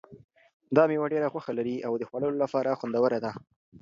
دا مېوه ډېره غوښه لري او د خوړلو لپاره خوندوره ده.